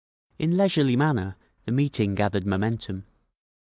In leisurely manner the meeting gathered momentum.